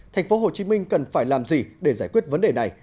tp hcm cần phải làm gì để giải quyết vấn đề này